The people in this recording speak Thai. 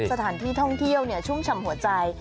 สถานที่ท่องเที่ยวชุ่มฉ่ำหัวใจ